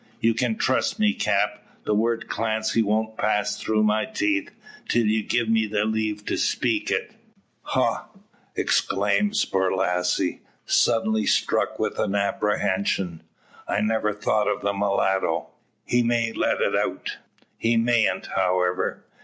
"Ye can trust me, cap. The word Clancy won't pass through my teeth, till you gie me leave to speak it." "Ha!" exclaims Borlasse, suddenly struck with an apprehension. "I never thought of the mulatto. He may have let it out?" "He mayn't, however!"